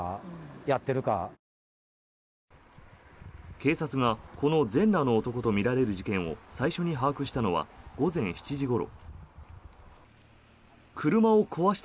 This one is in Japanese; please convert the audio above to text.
警察がこの全裸の男とみられる事件を最初に把握したのは午前７時ごろ。